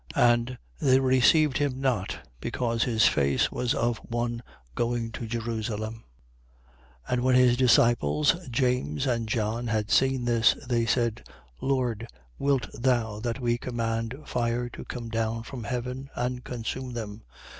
9:53. And they received him not, because his face was of one going to Jerusalem. 9:54. And when his disciples, James and John, had seen this, they said: Lord, wilt thou that we command fire to come down from heaven and consume them?